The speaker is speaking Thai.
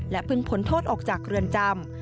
และพึ่งผลโทษออกจากเรือนจำ